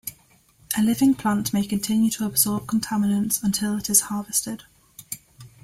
A living plant may continue to absorb contaminants until it is harvested.